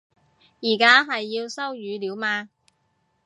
而家係要收語料嘛